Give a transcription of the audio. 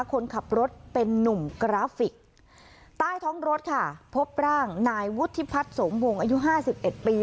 คนขับรถเป็นนุ่มกราฟิกใต้ท้องรถค่ะพบร่างนายวุฒิพัฒน์สมวงอายุห้าสิบเอ็ดปี